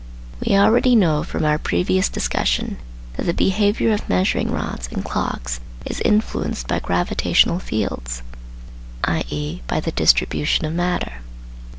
We already know from our previous discussion that the behaviour of measuring rods and clocks is influenced by gravitational fields, i.e. by the distribution of matter.